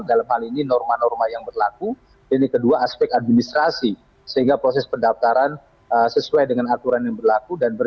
kami tidak melakukan perubahan perubahan terus ini tanggal lima belas oktober dua ribu dua puluh tiga